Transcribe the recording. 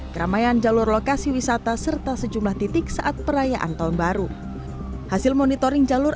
keramaian jalur lokasi wisata serta sejumlah titik saat perayaan tahun baru hasil monitoring jalur